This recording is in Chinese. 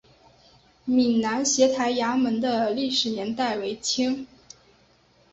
闽安协台衙门的历史年代为清。